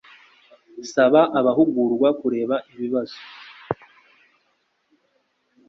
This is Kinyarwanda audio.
Saba abahugurwa kureba ibibazo